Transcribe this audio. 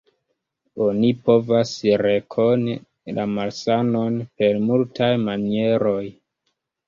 Oni povas rekoni la malsanon per multaj manieroj.